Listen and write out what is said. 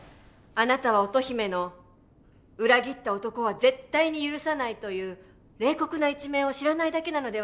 あなたは乙姫の裏切った男は絶対に許さないという冷酷な一面を知らないだけなのではありませんか？